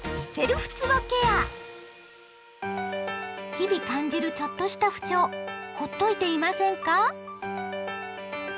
日々感じるちょっとした不調ほっといていませんか？